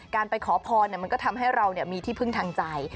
ไปขอพรมันก็ทำให้เรามีที่พึ่งทางใจ